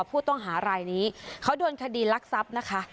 ผู้ต้องหารายนี้เขาโดนคดีรักทรัพย์นะคะ